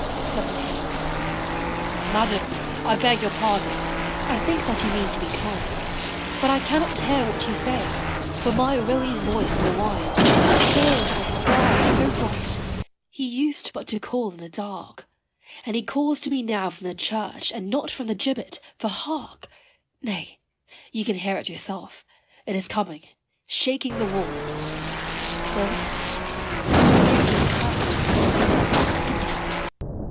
XVII. Madam, I beg your pardon! I think that you mean to be kind, But I cannot hear what you say for my Willy's voice in the wind The snow and the sky so bright he used but to call in the dark, And he calls to me now from the church and not from the gibbet for hark! Nay you can hear it yourself it is coming shaking the walls Willy the moon's in a cloud Good night.